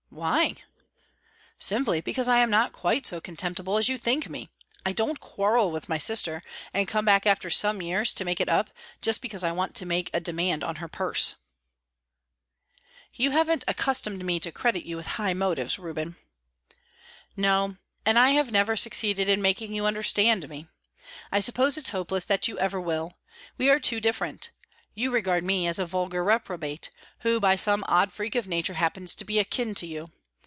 "Why?" "Simply because I am not quite so contemptible as you think me. I don't quarrel with my sister, and come back after some years to make it up just because I want to make a demand on her purse." "You haven't accustomed me to credit you with high motives, Reuben." "No. And I have never succeeded in making you understand me. I suppose it's hopeless that you ever will. We are too different. You regard me as a vulgar reprobate, who by some odd freak of nature happens to be akin to you.